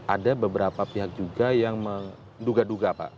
ada beberapa pihak juga yang menduga duga pak